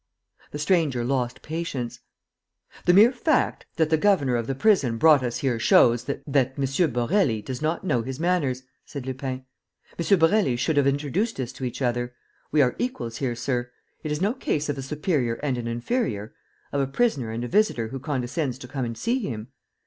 The stranger lost patience: "The mere fact that the governor of the prison brought us here shows ..." "That M. Borély does not know his manners," said Lupin. "M. Borély should have introduced us to each other. We are equals here, sir: it is no case of a superior and an inferior, of a prisoner and a visitor who condescends to come and see him.